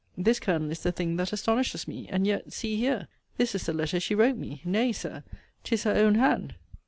This, Colonel, is the thing that astonishes me; and yet, see here! This is the letter she wrote me Nay, Sir, 'tis her own hand.